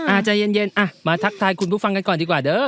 ใจเย็นมาทักทายคุณผู้ฟังกันก่อนดีกว่าเด้อ